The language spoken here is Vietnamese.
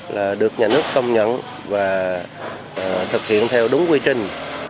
là được nhà nước công nhận và thực hiện theo đúng quy trình